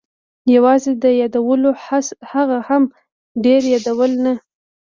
یوازې د یادولو، هغه هم ډېر یادول نه.